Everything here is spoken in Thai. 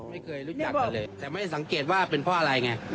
ไม่เคยรู้จักกันเลยแต่ไม่สังเกตว่าเป็นเพราะอะไรไง